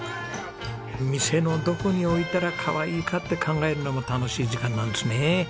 店のどこに置いたらかわいいかって考えるのも楽しい時間なんですね。